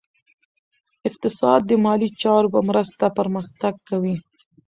اقتصاد د مالي چارو په مرسته پرمختګ کوي.